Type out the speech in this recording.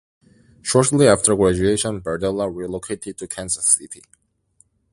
Shortly after graduation, Berdella relocated to Kansas City.